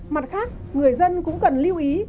mặt khác người dân cũng cần lưu ý